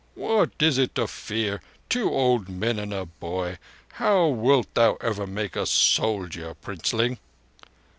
"What is it to fear? Two old men and a boy? How wilt thou ever make a soldier, Princeling?"